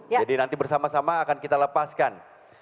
jadi nanti bersama sama akan kita lepaskan